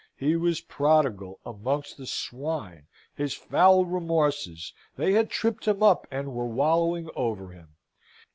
He was Prodigal, amongst the swine his foul remorses; they had tripped him up, and were wallowing over him.